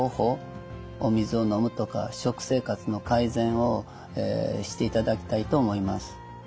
お水を飲むとか食生活の改善をしていただきたいと思います。